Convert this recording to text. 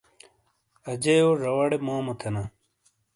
اجییو زواڑے مومو تھینا۔